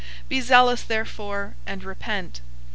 Be zealous therefore, and repent.